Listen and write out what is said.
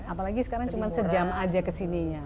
apalagi sekarang cuma sejam aja kesininya